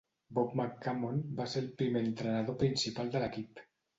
Bob McCammon va ser el primer entrenador principal de l'equip.